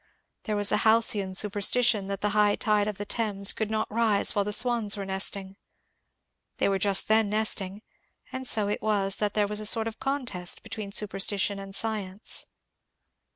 There was a halcyon superstition that the high tide of the Thames could not rise while the swans were nesting. They were just then nesting, and so it was that there was a sort of contest between superstition and science.